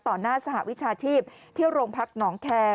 หน้าสหวิชาชีพที่โรงพักหนองแคร์